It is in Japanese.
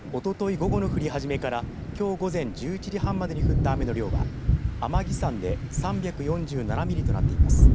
午後の降り始めからきょう午前１１時半までに降った雨の量は天城山で３４７ミリとなっています。